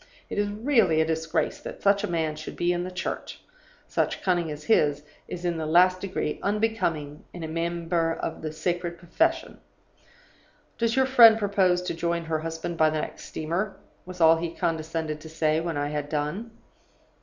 It is really a disgrace that such a man should be in the Church; such cunning as his is in the last degree unbecoming in a member of a sacred profession. "'Does your friend propose to join her husband by the next steamer?' was all he condescended to say, when I had done.